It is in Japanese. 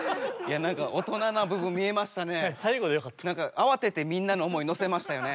あわててみんなの思いのせましたよね。